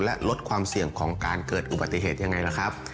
และลดความเสี่ยงของการเกิดอุบัติเหตุยังไงล่ะครับ